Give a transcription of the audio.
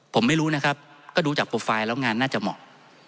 ผมไม่รู้นะครับก็ดูจากโปรไฟล์แล้วงานน่าจะเหมาะ